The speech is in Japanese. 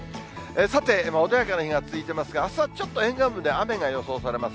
さて、穏やかな日が続いてますが、あすはちょっと沿岸部で雨が予想されます。